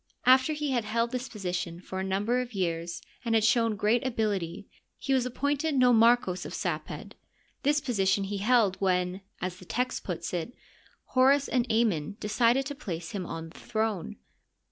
After he had held this position for a number of years and had shown great ability, he was appointed nomarchos of Saped, This position he held when, as the text puts it, Horns and Amon decided to place him on the throne.